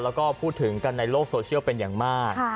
แล้วก็พูดถึงกันในโลกโซเชียลเป็นอย่างมาก